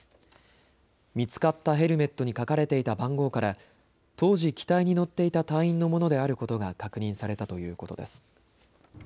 見つかったヘルメットに書かれていた番号から当時、機体に乗っていた隊員のものであることが確認されたということです。